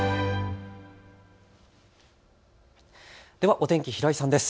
お天気、平井さんです。